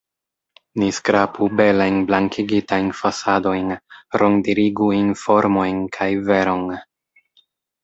Ni skrapu belajn blankigitajn fasadojn, rondirigu informojn kaj veron!